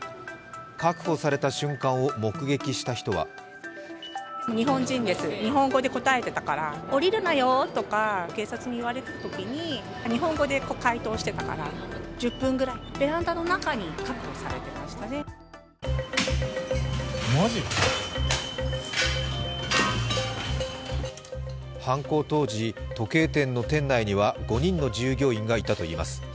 確保された瞬間を目撃した人は犯行当時、時計店の店内には５人の従業員がいたといいます。